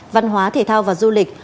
văn hóa thể thao và du lịch